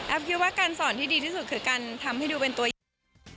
คิดว่าการสอนที่ดีที่สุดคือการทำให้ดูเป็นตัวอย่าง